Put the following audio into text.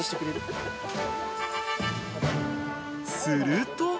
［すると］